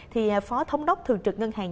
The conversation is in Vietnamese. thì phó thống đốc thường trực ngân hàng